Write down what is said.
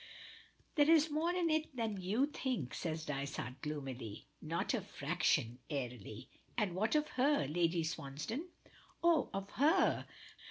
"There is more in it than you think," says Dysart gloomily. "Not a fraction!" airily. "And what of her? Lady Swansdown?" "Of her!